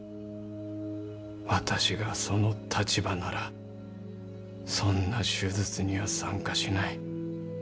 「私がその立場ならそんな手術には参加しない。